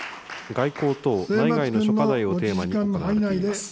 外交等内外の諸課題をテーマに質問が行われています。